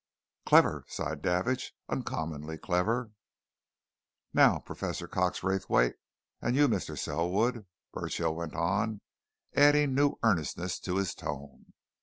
"Clever!" sighed Davidge. "Uncommonly clever!" "Now, Professor Cox Raythwaite, and you, Mr. Selwood," Burchill went on, adding new earnestness to his tone.